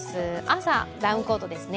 朝、ダウンコートですね。